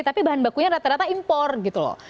tapi bahan bakunya rata rata impor gitu loh